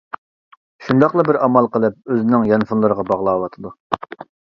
شۇنداقلا بىر ئامال قىلىپ ئۆزىنىڭ يانفونلىرىغا باغلاۋاتىدۇ.